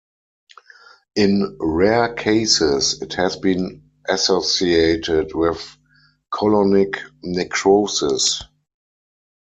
In rare cases, it has been associated with colonic necrosis.